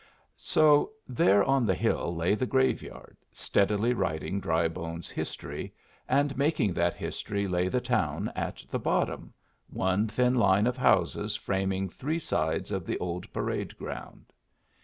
So there on the hill lay the graveyard, steadily writing Drybone's history, and making that history lay the town at the bottom one thin line of houses framing three sides of the old parade ground.